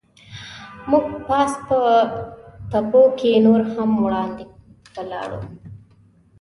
موږ پاس په تپو کې نور هم وړاندې ولاړو.